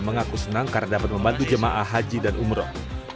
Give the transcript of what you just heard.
mengaku senang karena dapat membantu jemaah haji dan umroh